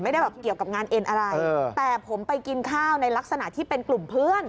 ไม่ได้แบบเกี่ยวกับงานเอ็นอะไรแต่ผมไปกินข้าวในลักษณะที่เป็นกลุ่มเพื่อน